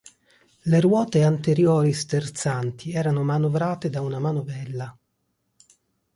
Le ruote anteriori sterzanti erano manovrate da una manovella.